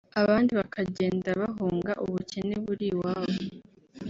abandi bakagenda bahunga ubukene buri iwabo